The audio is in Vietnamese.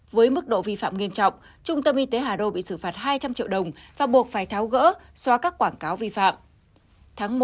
với mức độ vi phạm nghiêm trọng trung tâm y tế hà đô bị xử phạt hai trăm linh triệu đồng và buộc phải tháo gỡ xóa các quảng cáo vi phạm